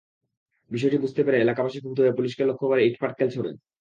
বিষয়টি বুঝতে পেরে এলাকাবাসী ক্ষুব্ধ হয়ে পুলিশকে লক্ষ্য করে ইটপাটকেল ছোড়ে।